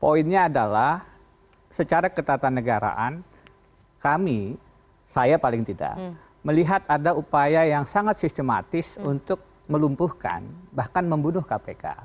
poinnya adalah secara ketatanegaraan kami saya paling tidak melihat ada upaya yang sangat sistematis untuk melumpuhkan bahkan membunuh kpk